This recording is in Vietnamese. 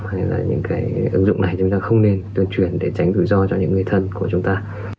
hay là những cái ứng dụng này chúng ta không nên tuyên truyền để tránh rủi ro cho những người thân của chúng ta